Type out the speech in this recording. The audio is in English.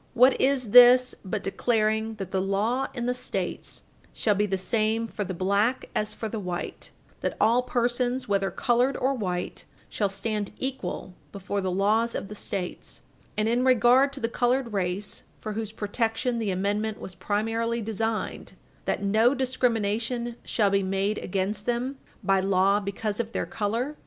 What is this but declaring that the law in the States shall be the same for the black as for the white; that all persons, whether colored or white, shall stand equal before the laws of the States, and, in regard to the colored race, for whose protection the amendment was primarily designed, that no discrimination shall be made against them bar law because of their color?